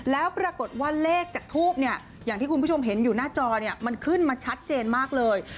แล้วปรากฏว่าเลขจากทูบเนี่ยอย่างที่คุณผู้ชมเห็นอยู่หน้าจอเนี่ยมันขึ้นมาชัดเจนมากเลย